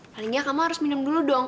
palingnya kamu harus minum dulu dong